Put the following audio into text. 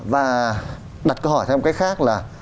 và đặt câu hỏi theo một cách khác là